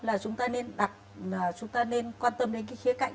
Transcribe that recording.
là chúng ta nên quan tâm đến cái khía cạnh